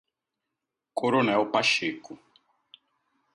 Coronel Pacheco